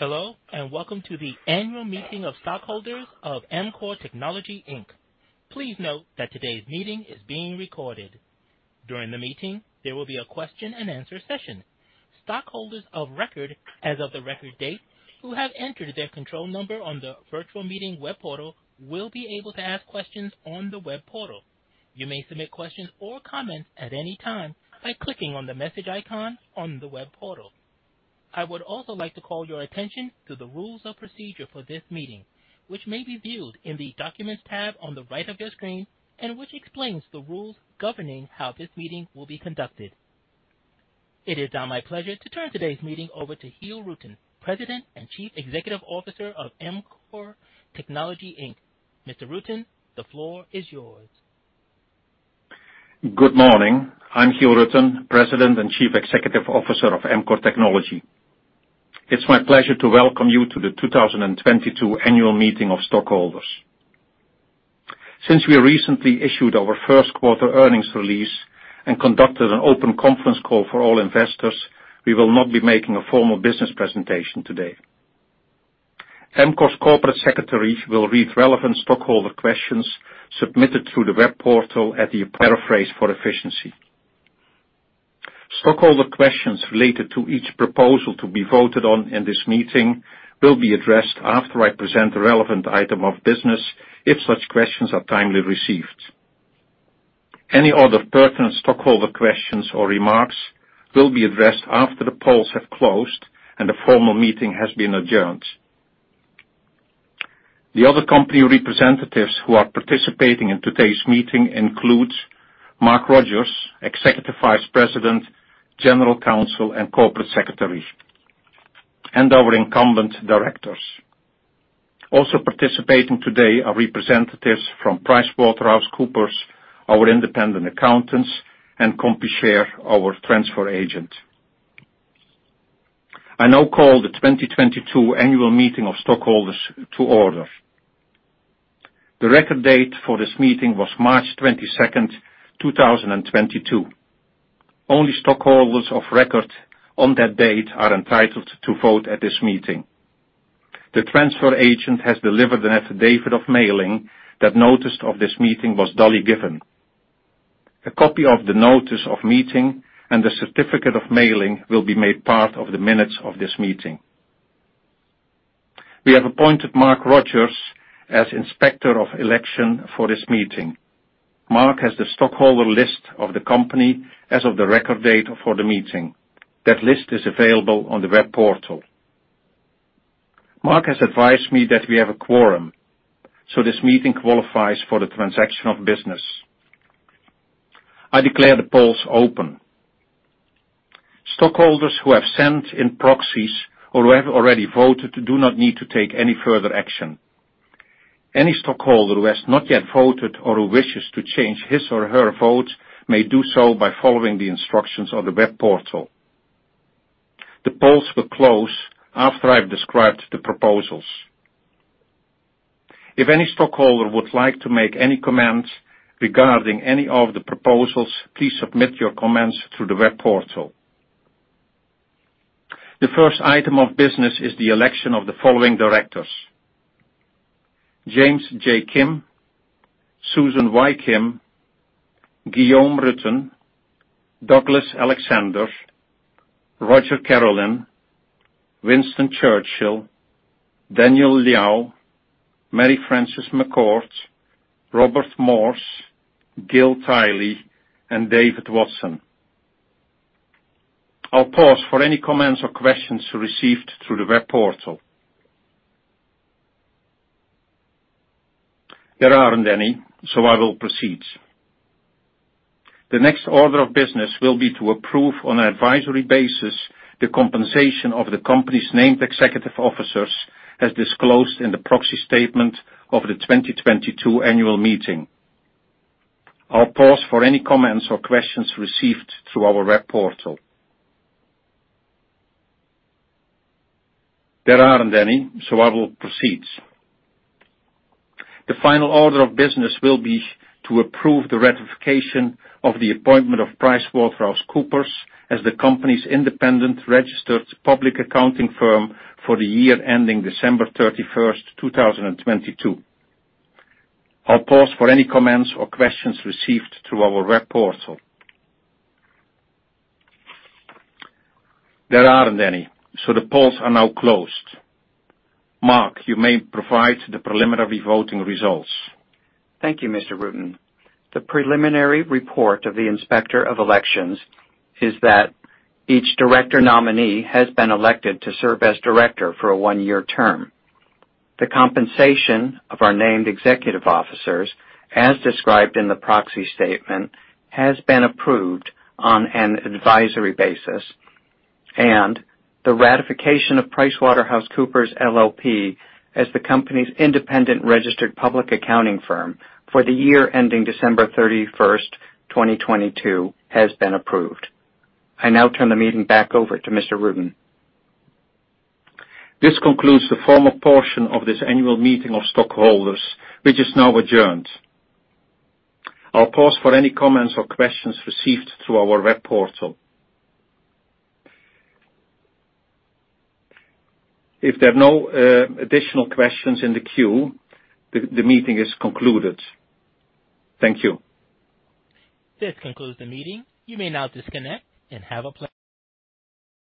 Hello, and welcome to the annual meeting of stockholders of Amkor Technology. Please note that today's meeting is being recorded. During the meeting, there will be a question-and-answer session. Stockholders of record, as of the record date, who have entered their control number on the virtual meeting web portal will be able to ask questions on the web portal. You may submit questions or comments at any time by clicking on the message icon on the web portal. I would also like to call your attention to the rules of procedure for this meeting, which may be viewed in the documents tab on the right of your screen and which explains the rules governing how this meeting will be conducted. It is now my pleasure to turn today's meeting over to Giel Rutten, President and Chief Executive Officer of Amkor Technology, Inc. Mr. Rutten, the floor is yours. Good morning. I'm Giel Rutten, President and Chief Executive Officer of Amkor Technology. It's my pleasure to welcome you to the 2022 annual meeting of stockholders. Since we recently issued our first-quarter earnings release and conducted an open conference call for all investors, we will not be making a formal business presentation today. Amkor's Corporate Secretary will read relevant stockholder questions submitted through the web portal at the paraphrase for efficiency. Stockholder questions related to each proposal to be voted on in this meeting will be addressed after I present the relevant item of business if such questions are timely received. Any other pertinent stockholder questions or remarks will be addressed after the polls have closed and the formal meeting has been adjourned. The other company representatives who are participating in today's meeting include Mark Rogers, Executive Vice President, General Counsel, and Corporate Secretary, and our incumbent directors. Also participating today are representatives from PricewaterhouseCoopers, our independent accountants, and Computershare, our transfer agent. I now call the 2022 annual meeting of stockholders to order. The record date for this meeting was March 22nd, 2022. Only stockholders of record on that date are entitled to vote at this meeting. The transfer agent has delivered an affidavit of mailing that notice of this meeting was duly given. A copy of the notice of meeting and the certificate of mailing will be made part of the minutes of this meeting. We have appointed Mark Rogers as Inspector of Election for this meeting. Mark has the stockholder list of the company as of the record date for the meeting. That list is available on the web portal. Mark has advised me that we have a quorum, so this meeting qualifies for the transaction of business. I declare the polls open. Stockholders who have sent in proxies or who have already voted do not need to take any further action. Any stockholder who has not yet voted or who wishes to change his or her vote may do so by following the instructions on the web portal. The polls will close after I've described the proposals. If any stockholder would like to make any comments regarding any of the proposals, please submit your comments through the web portal. The first item of business is the election of the following directors: James J. Kim, Susan Y. Kim, Guillaume Rutten, Douglas Alexander, Roger Carolyn, Winston Churchill, Daniel Liao, Mary Frances McCord, Robert Morse, Giel Tyley, and David Watson. I'll pause for any comments or questions received through the web portal. There aren't any, so I will proceed. The next order of business will be to approve on an advisory basis the compensation of the company's named executive officers as disclosed in the proxy statement of the 2022 annual meeting. I'll pause for any comments or questions received through our web portal. There aren't any, so I will proceed. The final order of business will be to approve the ratification of the appointment of PricewaterhouseCoopers as the company's independent registered public accounting firm for the year ending December 31st, 2022. I'll pause for any comments or questions received through our web portal. There aren't any, so the polls are now closed. Mark, you may provide the preliminary voting results. Thank you, Mr. Rutten. The preliminary report of the Inspector of Election is that each director nominee has been elected to serve as director for a one-year term. The compensation of our named executive officers, as described in the proxy statement, has been approved on an advisory basis. The ratification of PricewaterhouseCoopers LLP as the company's independent registered public accounting firm for the year ending December 31st, 2022 has been approved. I now turn the meeting back over to Mr. Rutten. This concludes the formal portion of this annual meeting of stockholders, which is now adjourned. I'll pause for any comments or questions received through our web portal. If there are no additional questions in the queue, the meeting is concluded. Thank you. This concludes the meeting. You may now disconnect and have a pleasant day.